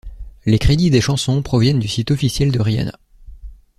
Les crédits des chansons proviennent du site officiel de Rihanna.